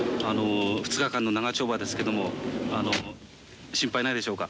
２日間の長丁場ですけども心配ないでしょうか？